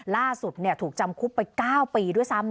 ล่าสุดถูกจำคุกไป๙ปีด้วยซ้ำ